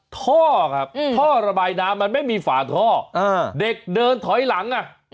ท่อครับท่อระบายน้ำมันไม่มีฝาท่อเด็กเดินถอยหลังอ่ะ